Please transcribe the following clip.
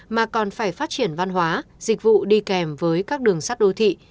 mà còn phải phát triển văn hóa dịch vụ đi kèm với các đường sắt đô thị